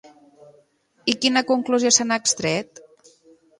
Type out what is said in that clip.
I quina conclusió se n'ha extret?